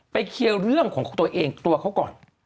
เคลียร์เรื่องของตัวเองตัวเขาก่อน